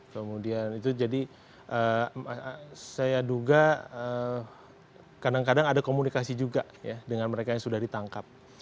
kemudian itu jadi saya duga kadang kadang ada komunikasi juga ya dengan mereka yang sudah ditangkap